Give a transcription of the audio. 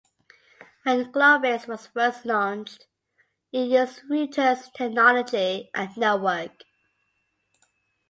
When Globex was first launched, it used Reuters' technology and network.